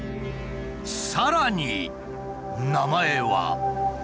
さらに名前は。